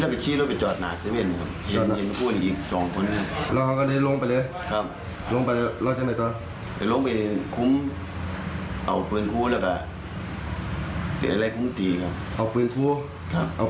ครับพ่อป๊าเจ็บว่ะ